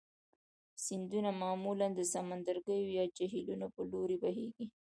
سیندونه معمولا د سمندرګیو یا جهیلونو په لوري بهیږي.